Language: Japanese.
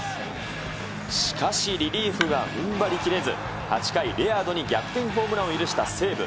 しかし、リリーフがふんばり切れず、８回、レアードに逆転ホームランを許した西武。